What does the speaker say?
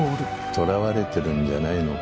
とらわれてるんじゃないのか？